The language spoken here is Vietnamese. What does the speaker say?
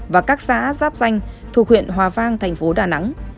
và các xã giáp danh thuộc huyện hòa vang tp đà nẵng